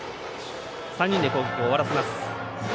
３人で攻撃を終わらせます。